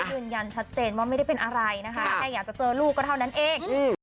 ยืนยันชัดเจนว่าไม่ได้เป็นอะไรนะคะแค่อยากจะเจอลูกก็เท่านั้นเอง